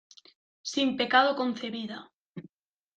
¡ sin pecado concebida!